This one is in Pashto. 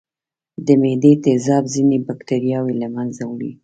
د معدې تیزاب ځینې بکتریاوې له منځه وړي.